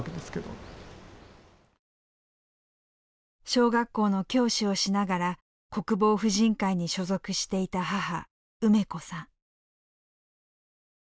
小学校の教師をしながら国防婦人会に所属していた母梅子さん。